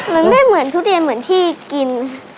มันได้เหมือนทุเรียนเหมือนที่กิน